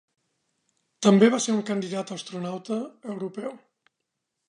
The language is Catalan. També va ser un candidat astronauta europeu.